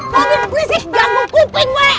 pabit berisik ganggu kuping gue